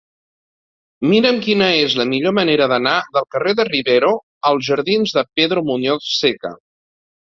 Mira'm quina és la millor manera d'anar del carrer de Rivero als jardins de Pedro Muñoz Seca.